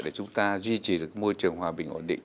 để chúng ta duy trì được môi trường hòa bình ổn định